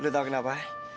lu tau kenapa